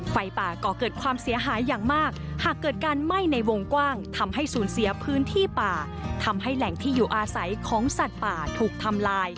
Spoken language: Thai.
ไฟป่าก่อเกิดความเสียหายอย่างมากหากเกิดการไหม้ในวงกว้างทำให้สูญเสียพื้นที่ป่าทำให้แหล่งที่อยู่อาศัยของสัตว์ป่าถูกทำลาย